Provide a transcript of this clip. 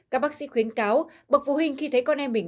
các bác sĩ khuyến cáo bậc phụ huynh khi thấy con em mình